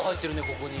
ここに。